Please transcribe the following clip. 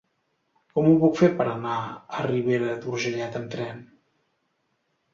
Com ho puc fer per anar a Ribera d'Urgellet amb tren?